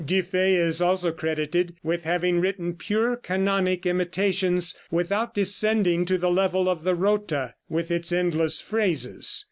Dufay is also credited with having written pure canonic imitations without descending to the level of the rota, with its endless phrases.